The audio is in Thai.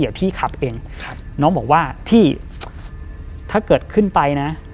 เดี๋ยวพี่ขับเองครับน้องบอกว่าพี่ถ้าเกิดขึ้นไปนะ